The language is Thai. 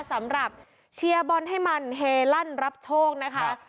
สำหรับเชียร์บอลให้มันเฮลั่นรับโชคนะคะ